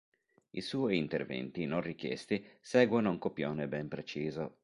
I suoi interventi, non richiesti, seguono un copione ben preciso.